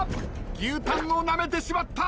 牛タンをなめてしまった。